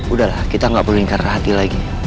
udah lah kita gak perlu ingat hati lagi